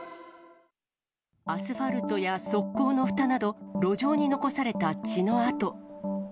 アスファルトや側溝のふたなど、路上に残された血の跡。